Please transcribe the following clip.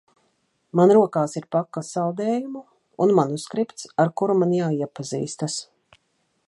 Man rokās ir paka saldējumu un manuskripts, ar kuru man jāiepazīstas.